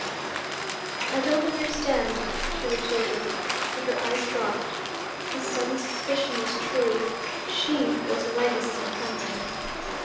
"I don't understand," she retorted. But her eyes dropped. His sudden suspicion was true: she was legacy hunting.